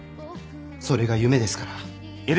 それが夢ですから。